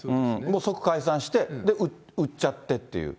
即解散して、売っちゃってっていう。